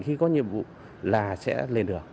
khi có nhiệm vụ là sẽ lên được